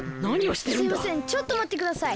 すいませんちょっとまってください。